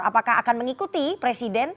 apakah akan mengikuti presiden